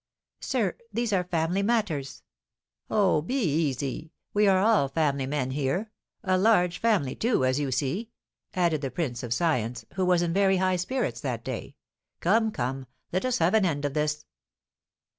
"Sir, these are family matters." "Oh, be easy, we are all family men here; a large family, too, as you see," added the prince of science, who was in very high spirits that day. "Come, come, let us have an end of this."